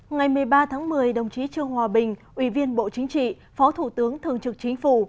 ngày một mươi ba tháng một mươi đồng chí trương hòa bình ủy viên bộ chính trị phó thủ tướng thường trực chính phủ